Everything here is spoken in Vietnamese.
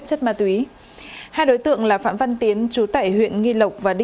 xin chào và hẹn gặp lại